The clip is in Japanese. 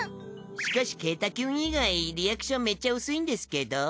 しかしケータきゅん以外リアクションめっちゃ薄いんですけど。